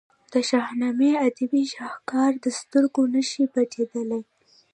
د شاهنامې ادبي شهکار سترګې نه شي پټېدلای.